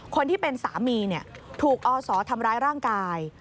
คนที่เป็นสามีถูกอศทำร้ายร่างกาย